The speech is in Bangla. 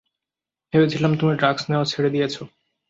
ভেবেছিলাম তুমি ড্রাগস নেওয়া ছেড়ে দিয়েছো।